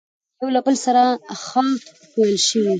يوه له بل سره ښه پويل شوي،